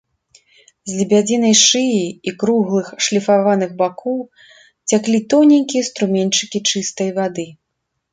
З лебядзінай шыі і круглых шліфаваных бакоў цяклі тоненькія струменьчыкі чыстай вады.